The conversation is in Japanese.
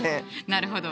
なるほど。